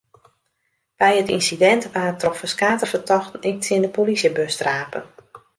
By it ynsidint waard troch ferskate fertochten ek tsjin de polysjebus trape.